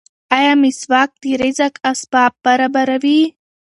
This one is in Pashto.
ایا مسواک د رزق اسباب برابروي؟